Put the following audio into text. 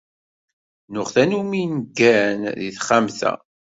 Nuɣ tanumi neggan deg texxamt-a.